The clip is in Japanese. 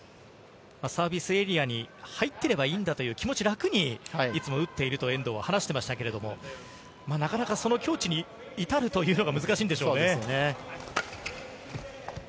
サービスエリアに入っていればいいんだという気持ち、楽にいつも打っていると遠藤は話していましたが、なかなか境地に至るというのが難しいんでしょうね。